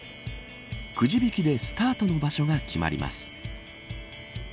くじ引きでスタートの場所が決まります。